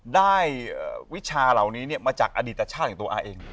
วิชาเหล่านี้มาจากอดีตชาติของตัวอาเอง